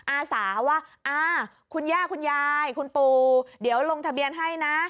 อาสาว่าคุณย่าคุณยายคุณปู่เดี๋ยวลงทะเบียนให้นะ